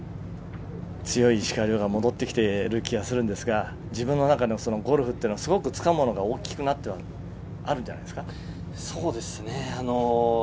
強い石川遼が戻ってきている気がするんですが自分の中でのゴルフつかむものが大きくなっているんじゃないですか？